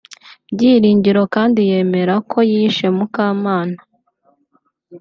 Byiringiro kandi yemera ko yishe Mukamana